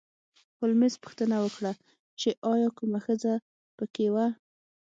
هولمز پوښتنه وکړه چې ایا کومه ښځه په کې وه